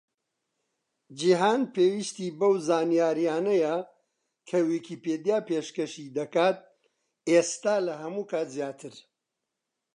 جیهان پێویستی بەو زانیاریانەیە کە ویکیپیدیا پێشکەشی دەکات، ئێستا لە هەموو کات زیاتر.